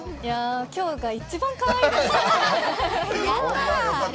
今日が一番かわいいです。